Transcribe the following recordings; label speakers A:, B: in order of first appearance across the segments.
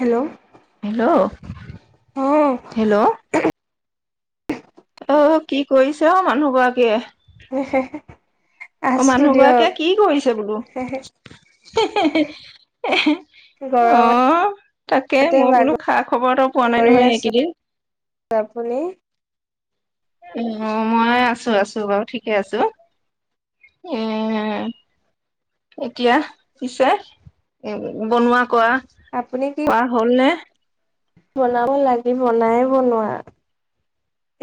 A: Hello
B: hello
A: অ
B: hello অ কি কৰিছে অ মানুহ গৰাকীয়ে। অ
A: আছো
B: মানুহ গৰাকীয়ে
A: দিয়ক
B: কি কৰিছে বোলো
A: গৰমতে
B: আহ তাকে মই বোলো
A: বাগৰি
B: খা খবৰ এটা পোৱা নাই নহয়
A: আছো
B: এইকেইদিন।
A: আপুনি।
B: উ মই আছো আছো বাৰু ঠিকে আছো এ এতিয়া পিছে বনোৱা কোৱা।
A: আপুনি কি
B: কৰা হ'ল নে।
A: বনাব লাগিব নাই বনোৱা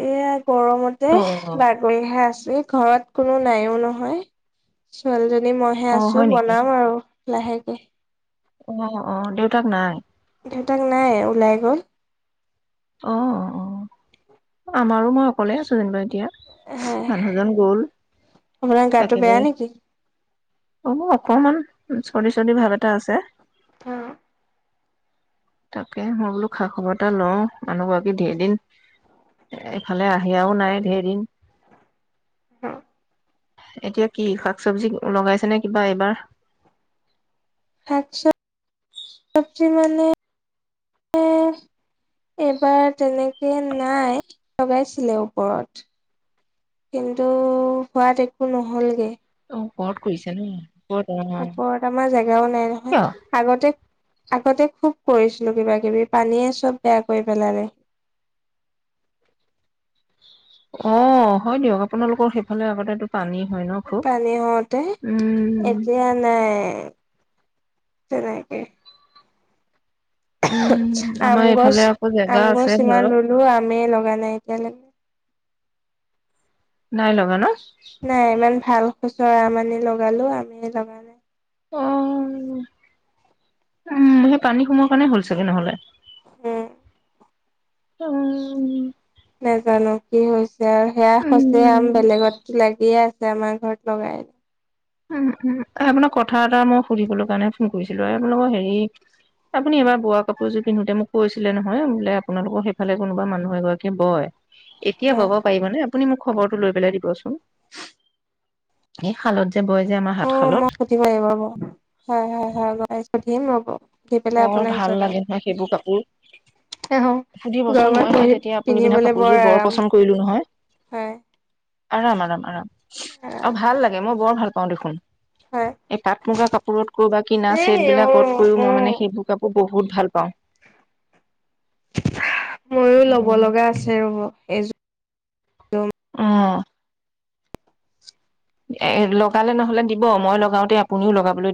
A: এয়া গৰমতে
B: অ
A: বাগৰিহে আছো। ঘৰত কোনো নাইও নহয় ছোৱালী যদি আ মইহে
B: অ হয়
A: আছো বনাম আৰু লাহেকে
B: আহ আহ দেউতাক নাই।
A: দেহঁতাক নাই ওলাই গ'ল
B: অ অ আমাৰো মই অকলে আছো যেনিবা এতিয়া মানুহজন গ'ল
A: [inaudible] আপোনাৰ গাটো বেয়া
B: একেবাৰে
A: নেকি
B: অ অকণমান চৰ্দি চৰ্দি ভাৱ এটা আছে
A: অ
B: তাকে মই বোলো খা খবৰ এটা লওঁ মানুহগৰাকী ধেৰ দিন এইফালে আহিয়াও নাই ধেৰ দিন
A: অ [inaudible]
B: এতিয়া কি শাক চবজি লগাইছেনে কিবা এইবাৰ
A: শাক [unintelligible] চবজি মানে এবাৰ তেনেকে নাই লগাইছিলে ওপৰত কিন্তু সোৱাদ একো নহলগে
B: কত কৰিছে নো
A: ওপৰত আমাৰ জেগাও নাই নহয়
B: কিয়
A: আগতে আগতে খুব কৰিছিলো কিবা কিবি পানীয়ে চব বেয়া কৰি পেলালে
B: অ হয় দিয়ক আপোনালোকৰ সেইফালে আগতেটো
A: পানী হওঁতে
B: উম
A: এতিয়া নাই তেনেকে
B: উম
A: [unintelligible] আম
B: আমাৰ
A: গছ
B: এইফালে আকৌ জেগা
A: আম
B: আছে
A: গছ ইমান
B: ধৰক
A: ৰুলো আমে লগা নাই [unintelligible]
B: নাই লগা ন
A: নাই ইমান ভাল খচৰা আম আনি লগালো আমেই লগা নাই
B: অ উম সেই পানী সোমোৱাৰ কাৰণে হ'ল চাগে নহ'লে
A: উম
B: অ উ
A: নেজানো কি হৈছে আৰু সেয়া
B: উম
A: সচ
B: উম
A: আম বেলেগতো লাগিয়ে আছে আমাৰ ঘৰত লগাই
B: উ উম আপোনাক কথা এটা মই সুধিবলৈ কাৰণে ফোন কৰিছিলো আপোনালোকৰ হেৰি আপুনি এইবাৰ বোৱা কাপোৰযোৰ পিন্ধোতে মোক কৈছিলে নহয় বোলে আপোনালোকৰ সেইফালে কোনোবা মানুহ এগৰাকী বয় এতিয়া
A: নাই
B: বব পাৰিব নে আপুনি মোক খবৰটো লৈ পেলাই দিবচোন [unintelligible] আমাৰ
A: অ মই
B: হাতশালত।
A: সুধিব আহি ৰব হয় হয় হয় সুধিম ৰ'ব সুধি পেলাই
B: বৰ
A: আপোনাক
B: ভাল
A: জনাম
B: লাগে নহয় সেইবোৰ কাপোৰ
A: [unintelligible]
B: সুধিবচোন মই
A: গৰমত
B: সেই
A: পি
B: তেতিয়া আপুনি পিন্ধা
A: পিন্ধিবলে
B: কাপোৰযোৰ
A: বৰ আৰাম
B: পচন্দ কৰিলো নহয়।
A: হয়
B: আৰাম আৰাম আৰাম [unintelligible] অ
A: আৰাম
B: ভাল লাগে মোক বৰ ভাল। ব [unintelligible] পাও দেখোন।
A: হয়
B: এই পাট মুগা কাপোৰতকৈ বা কিনা
A: এই
B: চেট
A: অ
B: বিলাকতকৈও
A: অ
B: মই মানে সেইবোৰ কাপোৰ [unintelligible] বহুত ভাল পাওঁ
A: [unintelligible] ময়ো ল'ব লগা আছে, ৰব এইযোৰ
B: অ' এই লগালে নহলে দিব, মই লগাওতে আপুনিও লগাবলৈ [unintelligible]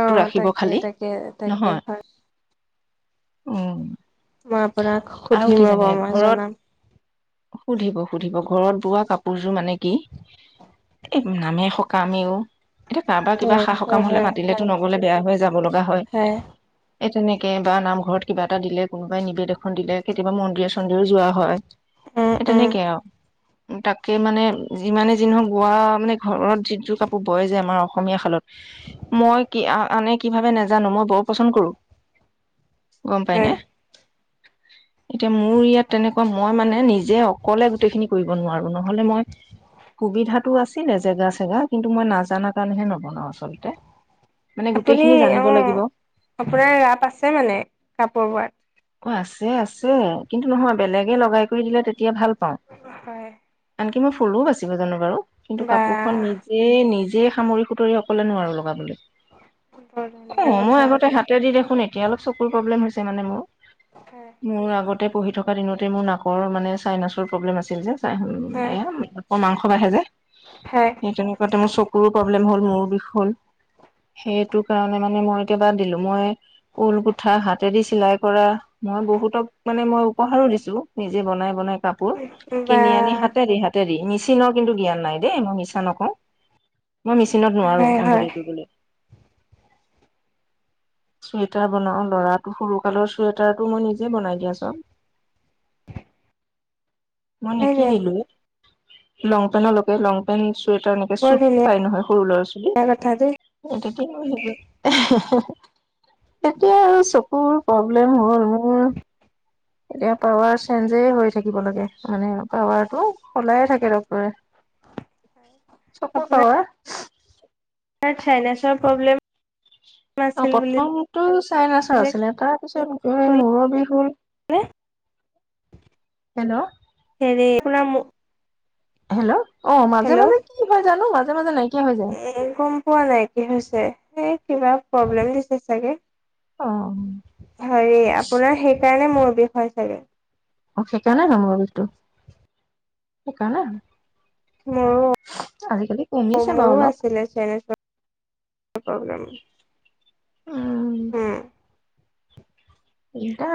A: অ'
B: ৰাখিব
A: তাকে,
B: খালি
A: তাকে, তাকে
B: নহয়
A: হয়।
B: উম
A: মই আপোনাক
B: আৰু কি
A: সুধিম ৰব,
B: জানে
A: মই
B: ঘৰত
A: জনাম।
B: সুধিব সুধিব, ঘৰত বোৱা কাপোৰযোৰ মানে কি? এ' নামে সকামে অ' এ' কাৰোবাৰ
A: হয়
B: কিবা সা
A: হয়
B: -সকাম হলে
A: হয় হয়
B: মাতিলেতো নগলে বেয়া হৈ, যাব লগা হয়। এই তেনেকে বা নামঘৰত কিবা এটা দিলে, কোনোবাই নিবেদ এখন দিলে, কেতিয়াবা মন্দিৰ চন্দিৰেও যোৱা হয়।
A: উম
B: এই
A: উম
B: তেনেকে আৰু। তাকেই মানে, যিমানে যি নহওঁক। বোৱা মানে ঘৰত যিযো কাপোৰ বই যে, আমাৰ অসমীয়া শালত। মই কি কি আনে কি ভাবে নাজানো, মই বৰ পচন্দ কৰো। গম
A: হয়
B: পাইনে? এতিয়া মোৰ ইয়াত তেনেকুৱা, মই মানে নিজে অকলে গোটেইখিনি কৰিব নোৱাৰো। নহলে মই সুবিধাত। টো আছিলে জেগা- চেগা। কিন্তু মই নাজানা কাৰণেহে নবনাও আচলতে। মানে
A: আপুনি,
B: গোটেইখিনি জানিব
A: অ',
B: লাগিব
A: আপোনাৰ ৰাপ আছে মানে কাপোৰ বোৱাত।
B: অ' আছে-আছে, কিন্তু নহয়, বেলেগে লগাই কৰি দিলে তেতিয়া ভাল। ক'
A: হয়
B: আনকি। মই ফুলো বাচিব জানো বাৰু। কিন্তু কাপোৰ খন
A: বা
B: নিজে নিজে। নিজে সামৰি সুতৰি অকলে নোৱাৰো লগাবলৈ।
A: বৰ ধুনীয়া
B: অ' মই
A: কথা
B: আগতে হাতে দি দেখোন এতিয়া অলপ চকুৰ প্ৰব্লেম হৈছে। যে মানে মোৰ।
A: হয়
B: মোৰ আগত। পঢ়ি থকা দিনতে মোৰ নাকৰ মানে চাইনাছৰ প্ৰব্লেম আছিল যে, চে
A: হয়
B: এ মাংস বাঢ়ে যে।
A: হয়
B: সেই তেনেকুৱাতে মোৰ চকুৰো প্ৰব্লেম হ'ল মোৰ বিষয়ে হল সেইটো কাৰণে মানে মই এতিয়া দিলো। মই ঊল গুঠা হাতেদি চিলাই। পৰা মই বহুতক মানে মই উপহাৰো দিছো, নিজে বনাই বনাই। কাপোৰ
A: বা
B: কিনি আনি। হাতেদি হাতেদি নিচ [unintelligible] চীনৰ কিন্তু জ্ঞান নাই দেই মই মিছা নকওঁ। মই মেচিনত নোৱাৰো
A: হয় হয়
B: এম্বডাৰিং কৰিবলৈ। চুৱেটাৰ বনাও লৰাটো সৰু। কালৰ চুৱেটাৰটো মই নিজে বনাই দিয়া চব। মানে কি
A: যে
B: নিলো। লং পেন্টৰ লকে লং পেণ্ট। চুৱেটাৰ নকয়
A: বৰ
B: চুটাৰ
A: ধুনীয়া
B: নহয় সৰু ল'ৰা ছোৱালী।
A: কথা দেই
B: তেতিয়া আৰু চকুৰ। প্ৰব্লেম হ'ল মোৰ। এতিয়া পাৱাৰ চেঞ্জেই হৈ থাকিব লাগে, মানে পাৱাৰটো সলায়ে থাকে ডক্টৰে। চকুৰ পাৱাৰ।
A: অ', চাইনাচৰ প্ৰব্লেম।
B: অ',
A: আছিল বুলি
B: প্ৰথমতটো চাইনাচৰ
A: যে
B: আছিলে। তাৰপিছত এই
A: ক'লে
B: মূৰৰ বিহ হ'ল।
A: [unintelligible]
B: হেল্ল'
A: হেৰি, শুনা‍ মো
B: হেল্ল' অ', মাজে
A: হেল্ল'
B: মাজে কি হয় জানো? মাজে [unintelligible] নাই।
A: এ, গম পোৱা নাই কি হৈছে। এ, কিবা প্ৰব্লেম দিছে চাগে।
B: অ। অ
A: হেৰি, আপোনাৰ সেইকাৰণে মূৰৰ বিষ হয় চাগে।
B: অ', সেইকাৰণে নো মবাইলটো। সেইকাৰণে হয়।
A: মোৰো।
B: কমিছে বাৰু
A: মোৰো
B: অলপ
A: আছিলে চাইনাচ প্ৰব [unintelligible]
B: উম। [unintelligible] কা।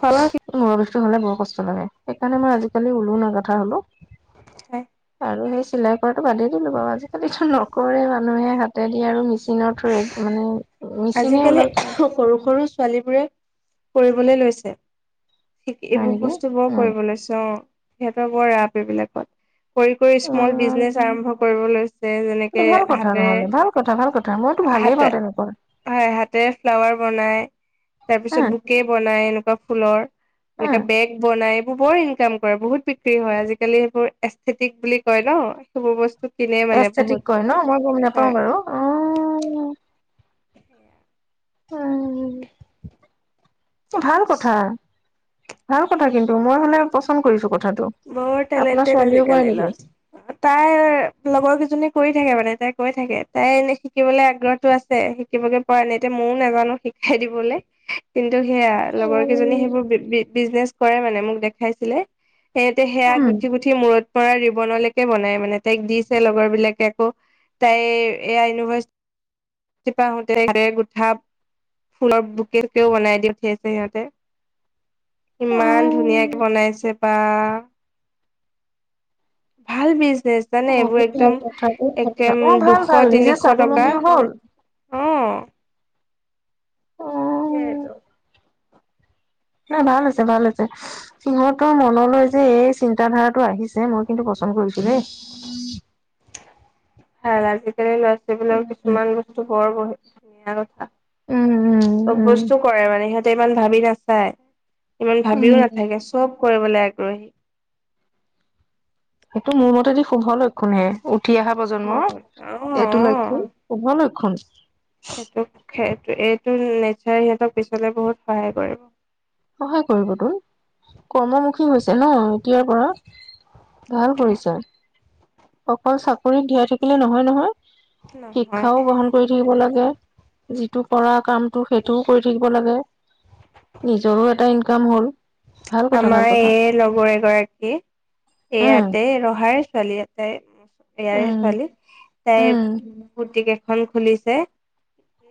A: খোৱা বোৱা
B: মই বে সেইতো হ'লে বহু কষ্ট লাগে। সেই কাৰণে মই আজিকালি ঊলো নাগাথা হ'লো।
A: [unintelligible]
B: আৰু সেই চিলাক কৰাটো বাদেই দিলো বাৰু। আজিকালিটো ন কৰে মানুহে হাতে দি আৰু মিছ নৰ থ্ৰুৰে। মানে মেচিনে
A: আজিকালি
B: উলা
A: সৰু সৰু ছোৱালীবোৰে কৰিবলৈ লৈছে। থিক
B: হয়
A: এইবোৰ
B: নেকি
A: বস্তু বৰ
B: উম
A: কৰিব লৈছে অ সিহঁতৰ বৰ ৰাপ এইবিলাকত কৰি কৰি স্মল বিজনেচ আৰম্ভ কৰিবলৈ
B: ভাল কথা নহলে ভাল কথা ভাল কথা মইতো ভালেই
A: হাতে
B: পাওঁ তেনেকুৱা
A: হয় হাতে ফ্লাৱাৰ বনাই তাৰ
B: হা
A: পিছত বুকে বনাই নাই এনেকুৱা ফুলৰ
B: হা
A: একে বেগ বনাই বৰ ইনকাম কৰে বহুত বিক্ৰী হয় আজিকালি সেইবোৰ এেস্তিটিক বুলি কয় ন, সেইবোৰ বস্তু কিনে মানে
B: অস্থেটিক
A: বহুত
B: কয় ন মই গম নোপাও
A: হয়
B: বাৰু অ উম, ভাল কথা ভাল কথা কিন্তু মই হ'লে পচন্দ কৰিছো কথা
A: বৰ টেলেণ্টেড আজিকালি ন তাই লগৰ কেইজনী কৰি থাকে মানে তাই কৈ থাকে তাই এনেই শিকিবলৈ আগ্ৰহটো আছে শিকিবগে প নাই এতিয়া ময়ও নাজানো শিকাই দিবলৈ কিন্তু সেয়া লগৰ কেইজনী সেইবোৰ বি-বি বিজনেচ কৰে মানে মোক দেখাইছিলে সেহতে সেয়া
B: উম
A: গুঠি গুঠি মূৰত পৰা ৰিবনলৈকে বনাই মানে তাইক দিছে লগৰ বিলাকে আকৌ তাই এয়া ইউনিভাৰ্চি আহতে গোঠা ফুলৰ বুকেকেও বনাই দি উঠি আছে সিহঁতে
B: অ
A: ইমান ধুনীয়াকে বনাইছে বা ভাল বিজ চ নে এইবোৰ
B: বহুত ভাল
A: একদম
B: কথা বহুত ভাল কথা
A: একেম
B: অ ভাল
A: দুশ
B: ভাল নিজে
A: তিনিশ টকা
B: স্বাৱলম্বী হ'ল
A: অ সেইটো
B: ন ভাল আছে ভাল আছে সিহঁতৰ মনলৈ যে এই চিন্তাধাৰাটো আহিছে মই কিন্তু পচন্দ কৰিছো দেই
A: হ [unintelligible] লৰাোৱালবলাকৰ
B: উম
A: কিছুমান বস্তু বৰ বহে [unintelligible] ধন কথা
B: উম
A: চব
B: উম উম
A: বস্তু কৰে মানে সিহঁত ইমান ভাবি নাচায় ইমান ভাবিও নাথাকে চব কৰিবলৈ আগ্ৰহী
B: সেইটো মোৰ মতেদি শুভ লক্ষণ হে উঠি অহা প্ৰজন্মৰ
A: বহুত অ
B: এইটো লক্ষণ কুভৰ লক্ষণ
A: এইটো এইটো নেচাৰে সিহঁতক পিছলে বহুত সহায় কৰে
B: সহায় কৰিব তোৰ কৰ্মমুখী হৈছে ন এতিয়াৰ পৰা ভাল
A: সেইটোৱে
B: কৰিছা। অকল চাকৰি দিয়াই থাকিলে নহয়, নহয়।
A: নহয়
B: শিক্ষাও গ্ৰহণ কৰি থাকিব লাগে। যিটো কৰা কামটো সেইটোও কৰি থাকিব লাগে, নিজৰো এটা ইনকাম হ'ল। ভাল কথা ভাল
A: আমাৰ এ
B: কথা
A: লগৰ এগৰাকী।
B: উম
A: ইয়াতে ৰহাৰ ছোৱালী। তে, উম। ইয়াৰে
B: উম।
A: ছোৱালী। তাই
B: উম
A: বহুত ভৌতিক এখন খুলিছে।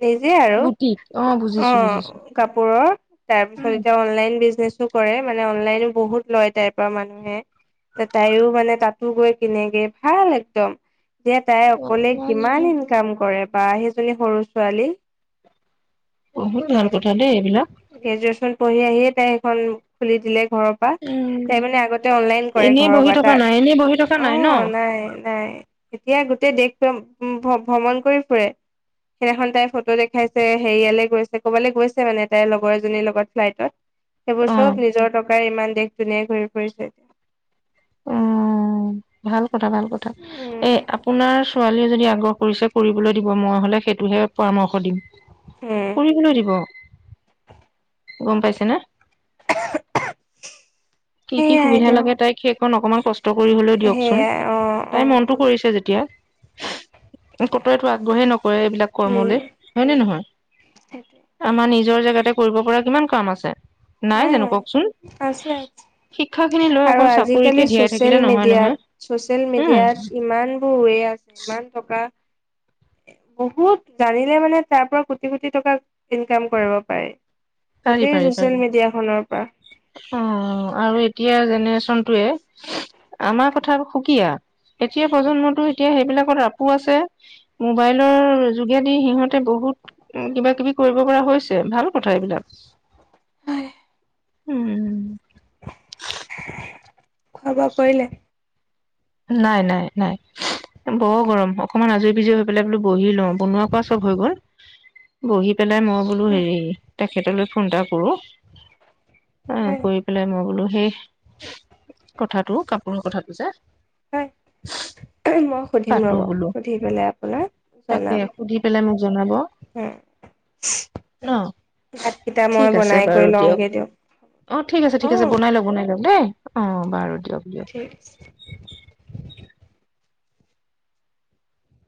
A: নিজে আৰু,
B: বুটিক অ বুজিছো বুজিছো।
A: অ', কাপোৰৰ তাৰপিছত এতিয়া অনলাইন বুচিয়েষ্ণেছো কৰে মানে অনলাইনো বহুত লয় তাইৰ পৰা মানুহে, এতিয়া তাইৰো মানে তাতো গৈ কিনেগে, ভাল একদম। এতিয়া তাই অকলে কিমান ইনকাম কৰে। বা সেইজনী সৰু ছোৱালী।
B: বহুত ভাল কোঠা দেই এইবিলাক।
A: গ্ৰেজুৱেচন পঢ়ি আহিয়ে তাই সেইখন খুলি দিলে। ঘৰৰ পৰা, তাই মানে আগতে অনলাইন কৰে
B: এনেই
A: ঘৰৰ
B: বহি
A: পৰা,
B: থকা
A: তাৰ,
B: নাই এনেই বহি থকা নাই ন?
A: অ', নাই, নাই। এতিয়া গোটেই দেশখখন ভো ভ্ৰমণ কৰি ফুৰে। সেই দিনাখন তাই ফটো দেখাইছে হেৰিয়ালে গৈছে ক'বালৈ গৈছে মানে তাইৰ লগৰ এজনীৰ লগত ফ্লাইটত।
B: অ
A: চব নিজৰ টকাৰ, ইমান দেশ ধুনীয় ঘূৰি পৰিছে, এতিয়া।
B: উম, ভাল। কথা, ভাল কথা, এ আপোনাৰ ছোৱালী যদি আগ্ৰহ কৰিছে কৰিবলৈ দিব, মই হলে সাইটোহে কৰাম দিম,
A: উম,
B: কৰিবলৈ দিব। গম পাইছে নে?
A: [unintelligible]
B: কি, কি
A: সেইয়াই
B: সুবিধা
A: দিয়ক
B: লাগে তাইক অকমান কছ কষ্ট কৰিবলৈ দিয়কচোন,
A: সেইয়াই অ',
B: তাই মনটো
A: অ'।
B: কৰিছে যেতিয়া। কতয়তটো আগ্ৰহে নক কৰে এইবিলাক
A: উম,
B: কৰ্মলে, হয় নে নহয়?
A: সেইটোৱে
B: আমাৰ নিজ নিজৰ জেগাতে কৰিব পৰা কিমান কাম আছে। নাই জানো,
A: উম।
B: কওকচোন?
A: আছে
B: শিক্ষা খিনি লৈ
A: আৰু
B: অকল চাকৰিকে
A: আজিকালি
B: ধীয়াই
A: চচিয়েল
B: থাকিলে নহয়
A: মিডিয়াত,
B: নহয়
A: চচিয়েল
B: উম।
A: মিডিয়াত ইমানবোৰ ৱে আছে ইমান থটকা বহুত জানিলে মানে তাৰ পৰা কোটি-কোটি টকা ইনকাম কৰিব পাৰি।
B: পাৰি পাৰি
A: গোটেই মিডিয়াখনৰ পৰা।
B: অ', আৰু এইটো এতিয়াাৰ জেনেৰেচন টোৱে, আমাৰ কথা সুকীয়া এতিয়া প্ৰজন্মতো এতিয়া সেইবিলাকত আপো আছে মোবাইলৰ যোগেদি সিহঁতে বহুত কিবা কিবি কৰিব পৰা হৈছে ভাল কথা এইবিলাক। উম
A: খোৱা বোৱা কৰিলে?
B: নাই-নাই-নাই বৰ গৰম। অকমান আজৰি বিজৰি হৈ পেলাই বোলো বহি লওঁ, বনোৱা কোৱা চব হৈ গ'ল। বহি পেলাই মই বোলো
A: হয়,
B: হেৰি তেখেতলৈ ফোন এটা কৰোঁ অ
A: হয়,
B: কৰি পেলাই মই বোলো সেই কথাটো কাপোৰৰ কথাটো যে
A: হয় ওমহ মই সুধিম
B: পাতো
A: ৰ'ব
B: বোলো
A: সুধি পেলাই আপোনাক
B: তাকে
A: জনাম
B: সুধি পেলাই মোক জনাব
A: উম
B: ন
A: ভাতকেইটা
B: ঠিক
A: মই
B: আছে
A: বনাই
B: বাৰু
A: কৰি
B: দিয়ক
A: লওঁগে
B: অ ঠিক আছে ঠিক
A: দিঅক অহ
B: আছে বনাই লওক বনাই লওক দেই অ বাৰু দে
A: ঠিক আছে